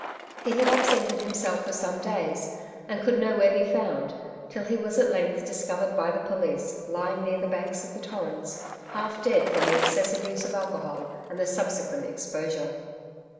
He had absented himself for some days, and could nowhere be found, till he was at length discovered by the police lying near the banks of the Torrens, half dead, from the excessive use of alcohol and the subsequent exposure.